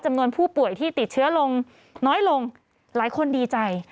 จำนวนผู้ป่วยที่ติดเชื้อลงน้อยลงหลายคนดีใจ